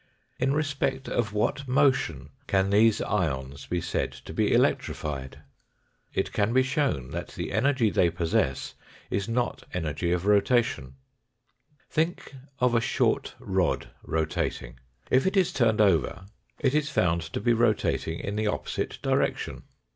In respect of what motion can these ions be said to be electrified ? It can be shown that the energy they possess is not energy of rotation. Think of a short rod rotating. If it is turned over it is found to be rotating in the opposite RECAPITULATION AND EXTENSION 221 direction.